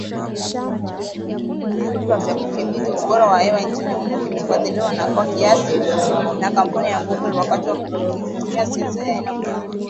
Kifaa kipya cha kudhibiti ubora wa hewa nchini humo kimefadhiliwa kwa kiasi na kampuni ya Google, wakati kikitumia sensa ya aina fulani.